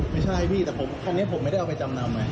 ไม่ใช่พี่แต่คันนี้ผมไม่ได้เอาไปจำนำไง